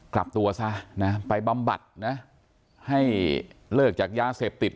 กลับตัวซะนะไปบำบัดนะให้เลิกจากยาเสพติด